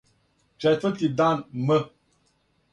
Четврти дан м.